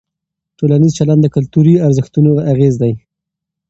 ټولنیز چلند د کلتوري ارزښتونو اغېز دی.